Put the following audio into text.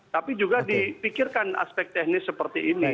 tapi juga dipikirkan aspek teknis seperti ini